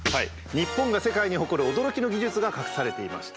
日本が世界に誇る驚きの技術が隠されていましたということなんです。